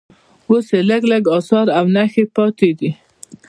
اوس یې لږ لږ اثار او نښې پاتې دي.